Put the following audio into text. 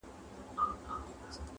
د انصاف په تله خپل او پردي واړه ,